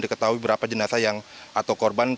diketahui berapa jenazah yang atau korban